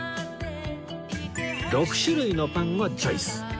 ６種類のパンをチョイス